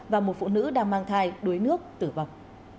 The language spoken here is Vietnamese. và một phụ nữ đang mang thai đuối nước tử vong